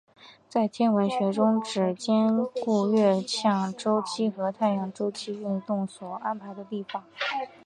在天文学中是指兼顾月相周期和太阳周期运动所安排的历法。